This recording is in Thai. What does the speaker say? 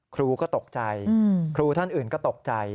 ครูก็ตกใจครูท่านอื่นก็ตกใจ